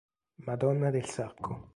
Madonna del Sacco